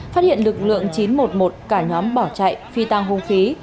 phát hiện lực lượng chín trăm một mươi một cả nhóm bỏ chạy phi tăng hung khí